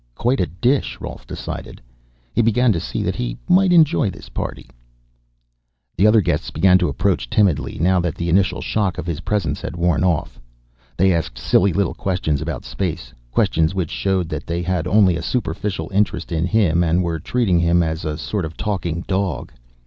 Quite a dish, Rolf decided. He began to see that he might enjoy this party. The other guests began to approach timidly, now that the initial shock of his presence had worn off. They asked silly little questions about space questions which showed that they had only a superficial interest in him and were treating him as a sort of talking dog.